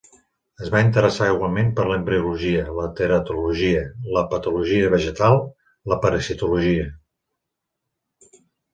Es va interessar igualment per l'embriologia, la teratologia, la patologia vegetal, la parasitologia.